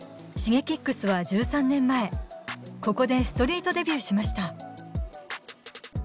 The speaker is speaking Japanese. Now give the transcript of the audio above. Ｓｈｉｇｅｋｉｘは１３年前、ここでストリートデビューしました。